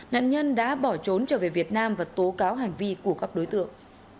nạn nhân đã bỏ trốn trở về việt nam và tố cáo hành vi của các đối tượng